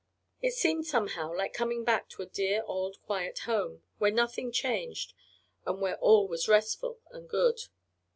It seemed, somehow, like coming back to a dear old quiet home, where nothing changed and where all was restful and good.